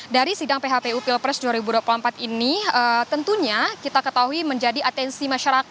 dari sidang phpu pilpres dua ribu dua puluh empat ini tentunya kita ketahui menjadi atensi masyarakat